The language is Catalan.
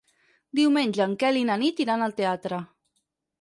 Diumenge en Quel i na Nit iran al teatre.